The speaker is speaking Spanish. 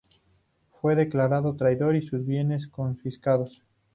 Fue declarado traidor y sus bienes confiscados.